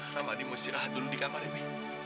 ramadi mau istirahat dulu di kamar ini